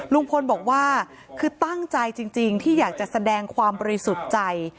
ลุงพลบอกว่าคือตั้งใจจริงที่อยากจะแสดงความบริสุทธิ์ใจ